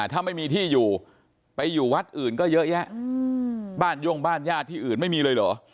ถ้าไม่มีที่อยู่ไปอยู่วัดอื่นก็เยอะแยะบ้านย่งบ้านญาติที่อื่นไม่มีเลยเหรอ